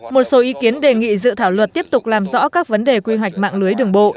một số ý kiến đề nghị dự thảo luật tiếp tục làm rõ các vấn đề quy hoạch mạng lưới đường bộ